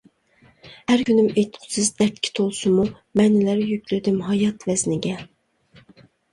ھەر كۈنۈم ئېيتقۇسىز دەردكە تولسىمۇ، مەنىلەر يۈكلىدىم ھايات ۋەزنىگە.